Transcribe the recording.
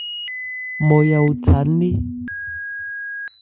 Mmɔya otha nné.